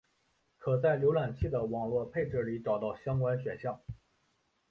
可以在浏览器的网络配置里找到相关选项。